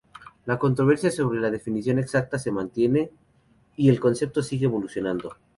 La controversia sobre la definición exacta se mantiene y el concepto sigue evolucionando.